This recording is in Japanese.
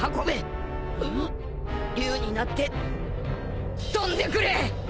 龍になって飛んでくれ！